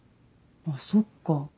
あそっか。